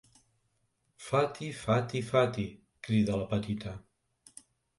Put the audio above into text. Fati Fati Fati! —crida la petita—.